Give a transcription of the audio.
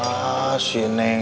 ah sih neng